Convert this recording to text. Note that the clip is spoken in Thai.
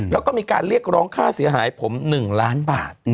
แล้วก็มีการเรียกร้องค่าเสียหายผม๑ล้านบาท